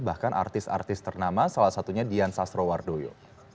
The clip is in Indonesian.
bahkan artis artis ternama salah satunya dian sastro wardoyo